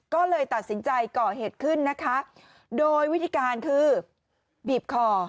ก็เลยตัดสินใจก่อเหตุขึ้นนะคะโดยวิธีการคือบีบคอ